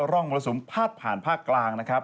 ร่องมรสุมพาดผ่านภาคกลางนะครับ